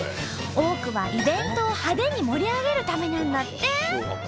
多くはイベントを派手に盛り上げるためなんだって。